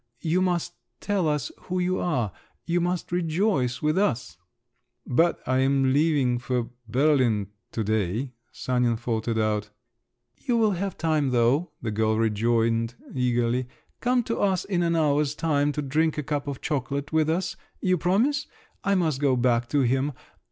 You must tell us who you are, you must rejoice with us …" "But I am leaving for Berlin to day," Sanin faltered out. "You will have time though," the girl rejoined eagerly. "Come to us in an hour's time to drink a cup of chocolate with us. You promise? I must go back to him!